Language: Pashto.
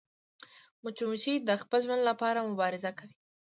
مچمچۍ د خپل ژوند لپاره مبارزه کوي